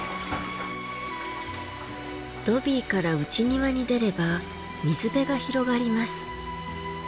ロビーから内庭に出れば水辺が広がります。